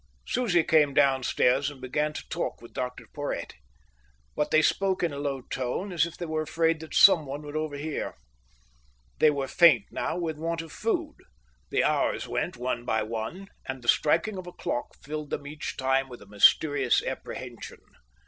Susie came downstairs and began to talk with Dr Porhoët. But they spoke in a low tone, as if they were afraid that someone would overhear. They were faint now with want of food. The hours went one by one, and the striking of a clock filled them each time with a mysterious apprehension.